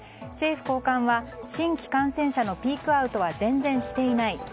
政府高官は新規感染者のピークアウトは全然していない。